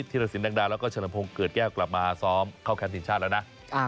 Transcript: ธิรสินแดงดาแล้วก็เฉลิมพงศ์เกิดแก้วกลับมาซ้อมเข้าแคมป์ทีมชาติแล้วนะ